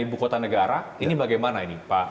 ibu kota negara ini bagaimana ini pak